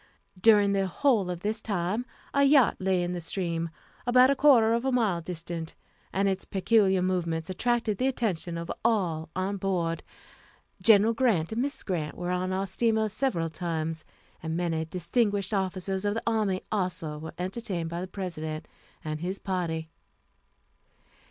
During the whole of this time a yacht lay in the stream about a quarter of a mile distant, and its peculiar movements attracted the attention of all on board. General Grant and Mrs. Grant were on our steamer several times, and many distinguished officers of the army also were entertained by the President and his party.